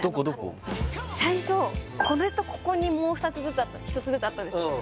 最初これとここにもう一つずつあったんですよ